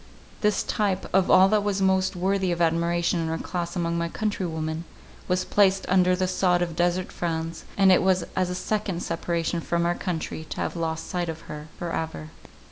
This type of all that was most worthy of admiration in her class among my countrywomen, was placed under the sod of desert France; and it was as a second separation from our country to have lost sight of her for ever.